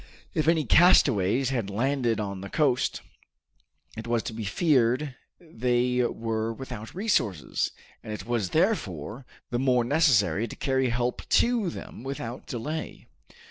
If any castaways had landed on the coast, it was to be feared they were without resources, and it was therefore the more necessary to carry help to them without delay.